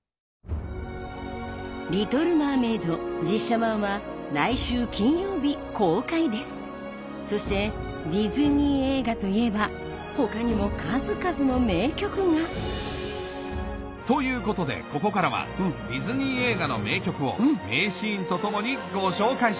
実写版はそしてディズニー映画といえば他にも数々の名曲がということでここからはディズニー映画の名曲を名シーンとともにご紹介します